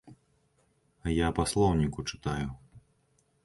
Я па слоўніку чытаю.